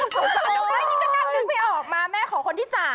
เชอรี่นึกไปเอาออกมาแม่ของคนที่๓